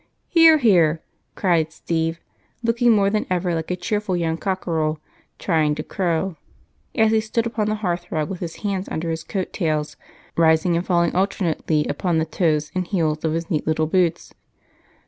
"Hear! Hear!" cried Steve, looking more than ever like a cheerful young cockerel trying to crow as he stood upon the hearth rug with his hands under his coat tails, rising and falling alternately upon the toes and heels of his neat little boots.